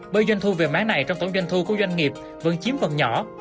bởi doanh thu về mát này trong tổng doanh thu của doanh nghiệp vẫn chiếm vần nhỏ